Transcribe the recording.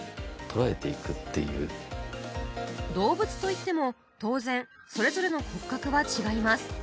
動物といっても当然それぞれの骨格は違います